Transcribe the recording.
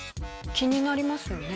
気になりますよね。